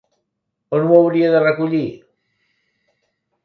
On ho hauria de recollir?